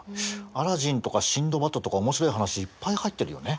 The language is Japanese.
アラジンとかシンドバッドとか面白い話いっぱい入ってるよね。